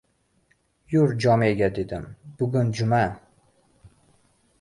-Yur, jome’ga – dedim. – Bugun jum’a!